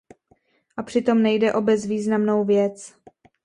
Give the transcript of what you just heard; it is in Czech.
A přitom nejde o bezvýznamnou věc.